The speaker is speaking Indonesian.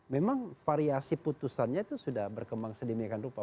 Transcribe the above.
memang variasi putusannya itu sudah berkembang sedemikian rupa